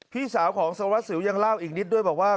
พี่สาวของสารวัสสิวยังเล่าอีกนิดด้วยบอกว่า